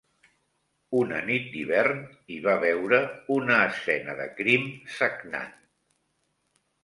...una nit d'hivern, hi va veure una escena de crim sagnant